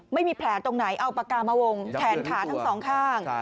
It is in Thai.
ไม่มีแผลตรงไหนเอาปากกามาวงแขนขาทั้งสองข้าง